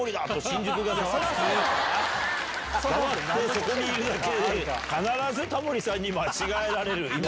そこにいるだけで必ずタモリさんに間違えられる。